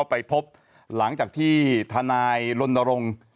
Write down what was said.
ผมประดิษฐ์อยู่